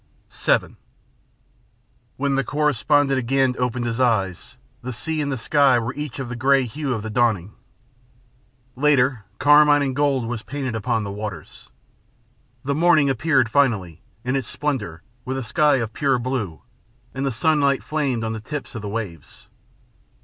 VII When the correspondent again opened his eyes, the sea and the sky were each of the grey hue of the dawning. Later, carmine and gold was painted upon the waters. The morning appeared finally, in its splendor, with a sky of pure blue, and the sunlight flamed on the tips of the waves.